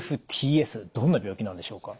どんな病気なんでしょうか？